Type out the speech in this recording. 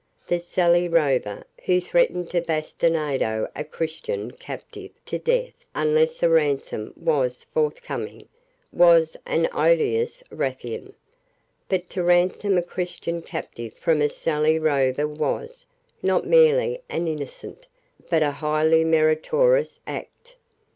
The Sallee rover, who threatened to bastinado a Christian captive to death unless a ransom was forthcoming, was an odious ruffian. But to ransom a Christian captive from a Sallee rover was, not merely an innocent, but a highly meritorious act.